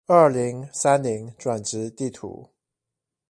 二零三零轉職地圖